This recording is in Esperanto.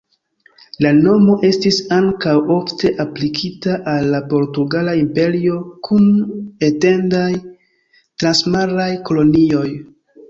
La nomo estis ankaŭ ofte aplikita al la Portugala Imperio, kun etendaj transmaraj kolonioj.